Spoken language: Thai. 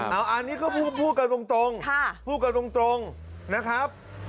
อันนี้ก็พูดกันตรงพูดกันตรงนะครับ